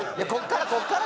ここから。